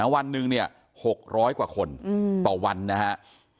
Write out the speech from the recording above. วันนึง๖๐๐กว่าคนต่อวันนะครับ